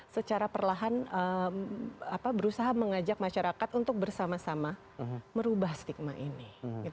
secara perlahan berusaha mengajak masyarakat untuk bersama sama merubah stigma ini